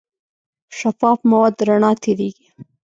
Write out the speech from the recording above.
شفاف مواد رڼا تېرېږي.